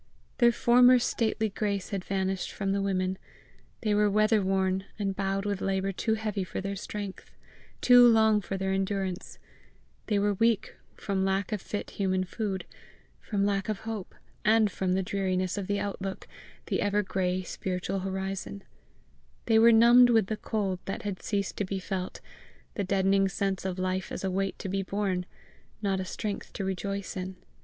Their former stately grace had vanished from the women; they were weather worn and bowed with labour too heavy for their strength, too long for their endurance; they were weak from lack of fit human food, from lack of hope, and the dreariness of the outlook, the ever gray spiritual horizon; they were numbed with the cold that has ceased to be felt, the deadening sense of life as a weight to be borne, not a strength to rejoice in.